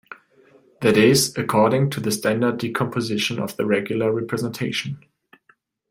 That is according to the standard decomposition of the regular representation.